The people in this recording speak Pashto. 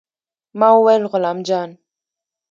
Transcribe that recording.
ما وويل غلام جان.